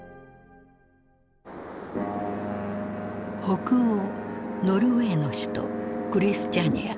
北欧ノルウェーの首都クリスチャニア。